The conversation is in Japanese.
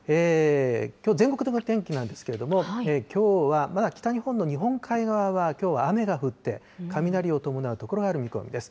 きょう、全国的な天気なんですけれども、きょうはまだ北日本の日本海側はきょうは雨が降って、雷を伴う所がある見込みです。